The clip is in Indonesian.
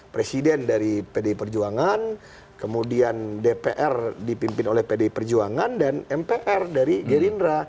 presiden dari pdi perjuangan kemudian dpr dipimpin oleh pdi perjuangan dan mpr dari gerindra